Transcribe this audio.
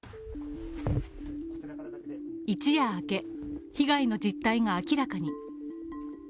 一夜明け、被害の実態が明らかに。